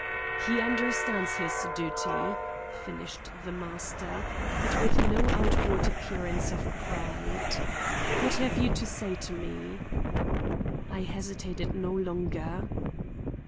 "He understands his duty," finished the master, but with no outward appearance of pride. "What have you to say to me?" I hesitated no longer.